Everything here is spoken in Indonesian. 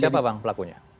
siapa bang pelakunya